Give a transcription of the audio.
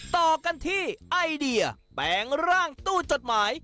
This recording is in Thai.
ต่อกันที่ไอเดียแปลงร่างตู้จดหมาย